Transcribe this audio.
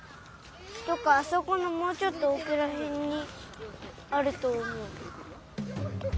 あそこのもうちょっとおくらへんにあるとおもう。